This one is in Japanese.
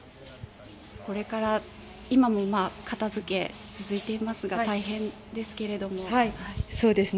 これから今も片づけ続いていますが大変ですけれども。